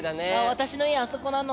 私の家あそこなの。